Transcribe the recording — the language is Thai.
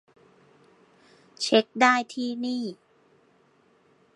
เช็กได้ที่นี่